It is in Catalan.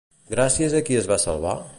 Gràcies a qui es va salvar?